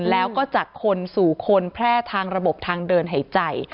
แล้วก็จากคนสู่คนแพร่ทางระบบทางเดินหายใจ